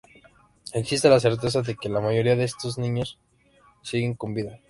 Existe la certeza de que la mayoría de esos niños siguen con vida.